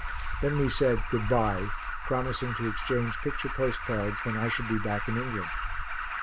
Then we said "Good bye," promising to exchange picture postcards when I should be back in England.